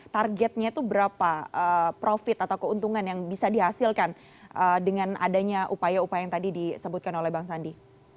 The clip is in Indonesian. targetnya itu berapa profit atau keuntungan yang bisa dihasilkan dengan adanya upaya upaya yang tadi disebutkan oleh bang sandi